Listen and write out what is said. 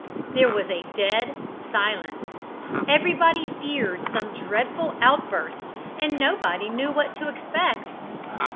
There was a dead silence. Everybody feared some dreadful outburst, and nobody knew what to expect.